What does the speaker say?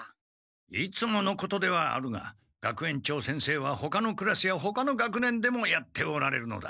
いつものことではあるが学園長先生はほかのクラスやほかの学年でもやっておられるのだ。